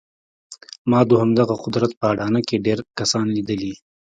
ما د همدغه قدرت په اډانه کې ډېر کسان ليدلي.